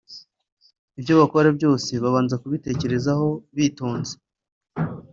ibyo bakora byose babanza kubitekerezaho bitonze